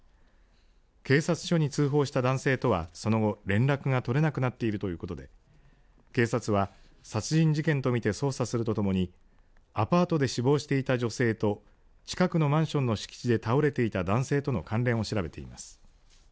警察署に通報した男性とはその後連絡が取れなくなっているということで警察は殺人事件と見て捜査するとともにアパートで死亡していた女性と近くのマンションの敷地内で倒れていた男性との関連を調べています。